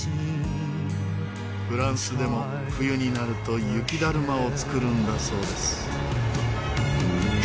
フランスでも冬になると雪だるまを作るんだそうです。